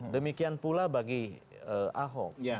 demikian pula bagi ahok